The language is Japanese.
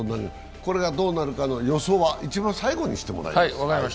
これがどうなるかの予想は一番最後にしてもらいます。